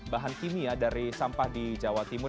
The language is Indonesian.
bahan kimia dari sampah di jawa timur